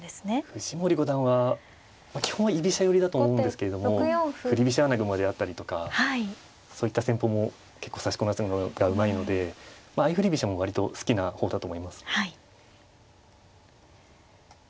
藤森五段は基本は居飛車寄りだと思うんですけども振り飛車穴熊であったりとかそういった戦法も結構指しこなすのがうまいので相振り飛車も割と好きな方だと思います。